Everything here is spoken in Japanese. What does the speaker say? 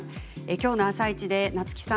きょうの「あさイチ」で夏木さん